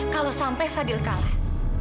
kalau sampai fadil kalah